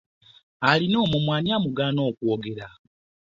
Alina omumwa ani amugaana okwogera?